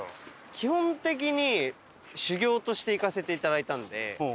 基本的に修業として行かせていただいたので。